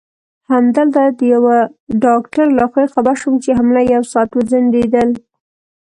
همدلته د یوه ډاکټر له خولې خبر شوم چې حمله یو ساعت وځنډېدل.